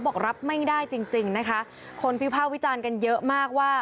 บอกรับไม่ได้จริงจริงนะคะคนวิภาควิจารณ์กันเยอะมากว่า